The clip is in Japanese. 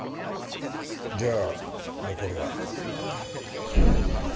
じゃあ残るは。